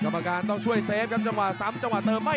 แบบนี้ว่าร้ายลงกล้นนี้